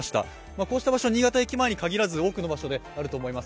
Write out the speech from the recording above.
こうした場所は新潟駅前に限らず、多くの場所であると思います。